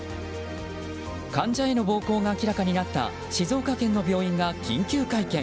患者への暴行が明らかになった静岡県の病院が緊急会見。